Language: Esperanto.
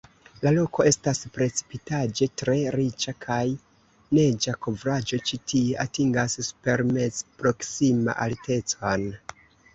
La loko estas precipitaĵe tre riĉa kaj neĝa kovraĵo ĉi tie atingas supermezproksima altecon.